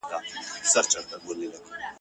سوځلی زړه مي